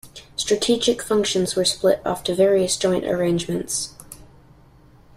Strategic functions were split off to various joint arrangements.